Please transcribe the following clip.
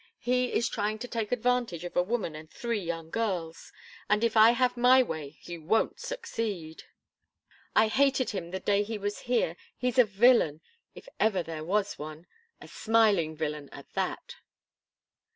He is trying to take advantage of a woman and three young girls, and if I have my way, he won't succeed! I hated him the day he was here he's a villain, if ever there was one, a smiling villain at that."